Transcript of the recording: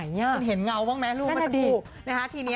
เอ้ยถึงเห็นเงาบ้างไหมลูกแม่จังอุ้กนะคะทีนี้